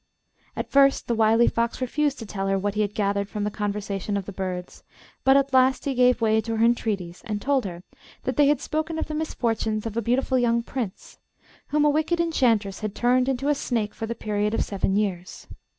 At first the wily fox refused to tell her what he had gathered from the conversation of the birds, but at last he gave way to her entreaties, and told her that they had spoken of the misfortunes of a beautiful young Prince, whom a wicked enchantress had turned into a snake for the period of seven years.